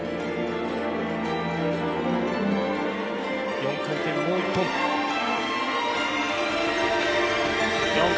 ４回転もう１回。